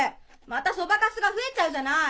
またソバカスが増えちゃうじゃない！